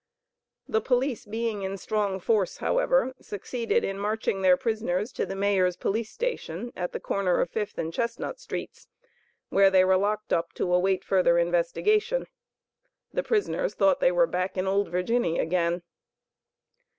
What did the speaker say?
The police being in strong force, however, succeeded in marching their prisoners to the Mayor's police station at the corner of Fifth and Chestnut streets where they were locked up to await further investigation. The prisoners thought they were back in "old Virginny" again.